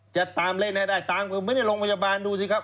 จะตามเล่นให้ได้ตามไว้ในโรงพยาบาลดูสิครับ